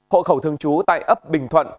hộ khẩu thường trú tại ấp bình thuận